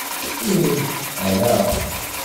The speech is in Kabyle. Ih, ala.